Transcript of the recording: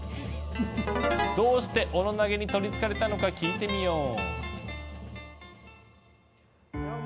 どうしてオノ投げに取りつかれたのか聞いてみよう。